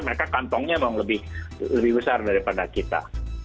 mereka kantongnya memang lebih besar daripada kita